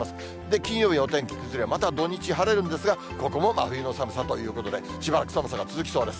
金曜日、お天気崩れます、また土日、晴れるんですが、ここも真冬の寒さということで、しばらく寒さが続きそうです。